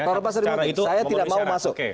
terlepas itu saya tidak mau masuk